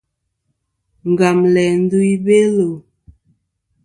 Ngam læ ndu i Belo.